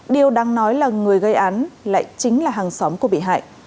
điều đáng nói là người gây án lại chính là hàng xóm của bị hại